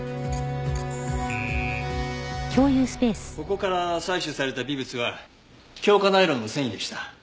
ここから採取された微物は強化ナイロンの繊維でした。